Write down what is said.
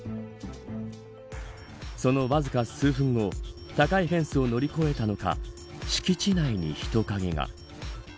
そのわずか数分後高いフェンスを乗り越えたのか敷地内に人影が。